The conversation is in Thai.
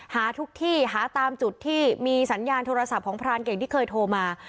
หาทุกที่หาตามจุดที่มีสัญญาณโทรศัพท์ของพรานเก่งที่เคยโทรมา